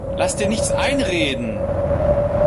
Lass dir nichts einreden!